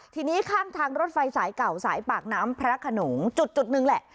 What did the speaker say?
ทีนี้ข้างทางรถไฟสายเก่าสายปากน้ำพระขนงจุดหนึ่งแหละ